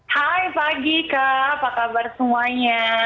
hai pagi kak apa kabar semuanya